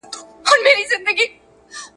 او په څېر چي د اوزګړي لېونی سي `